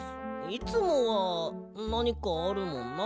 いつもはなにかあるもんな。